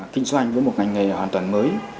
kinh doanh với một ngành nghề hoàn toàn mới